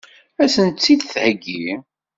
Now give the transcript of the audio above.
Ad sent-tt-id-theggi?